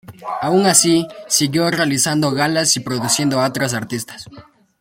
Aun así, siguió realizando galas y produciendo a otros artistas.